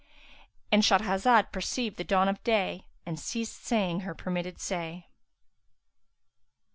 —And Shahrazad perceived the dawn of day and ceased saying her permitted say.